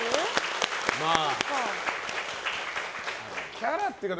キャラっていうか